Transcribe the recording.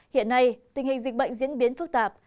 hiện nay tình hình dịch bệnh diễn biến phức tạp